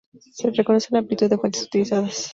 Se le reconoce la amplitud de fuentes utilizadas.